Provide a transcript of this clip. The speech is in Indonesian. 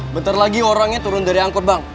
bentar lagi orangnya turun dari angkut bang